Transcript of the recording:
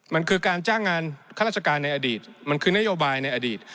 มันคือการจ้างงานข้าราชการในอดีตมันคือนโยบายในอดีต